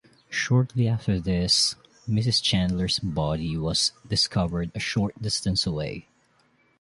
Shortly after this Mrs. Chandler's body was discovered a short distance away.